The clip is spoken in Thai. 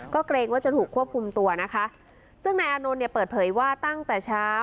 ก็เกรงว่าจะถูกควบคุมตัวนะคะซึ่งนายอานนท์เนี่ยเปิดเผยว่าตั้งแต่เช้า